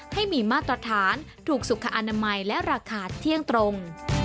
ให้มีมาตรฐานถูกสุขอนามัยและราคาเที่ยงตรง